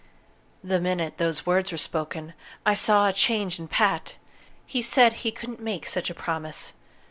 "The minute those words were spoken, I saw a change in Pat. He said he couldn't make such a promise.